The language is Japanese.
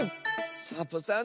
サボさん